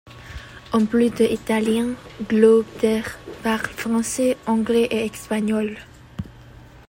En plus de l'italien, Gloder parle français, anglais et espagnol.